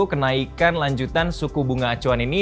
kenaikan lanjutan suku bunga acuan ini